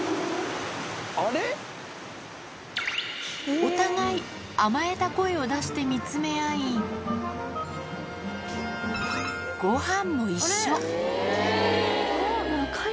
お互い、甘えた声を出して見つめ合い、ごはんも一緒。